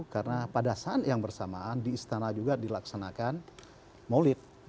karena pada saat yang bersamaan di istana juga dilaksanakan molit